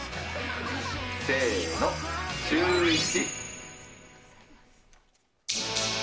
せーの、シューイチ。